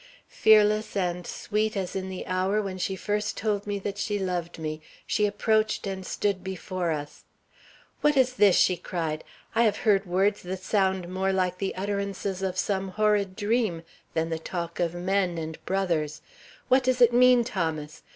Fearless and sweet as in the hour when she first told me that she loved me, she approached and stood before us. "What is this?" she cried. "I have heard words that sound more like the utterances of some horrid dream than the talk of men and brothers. What does it mean, Thomas?